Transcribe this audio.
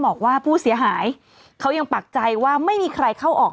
บอกว่าผู้เสียหายเขายังปักใจว่าไม่มีใครเข้าออก